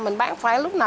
mình bán phải lúc nào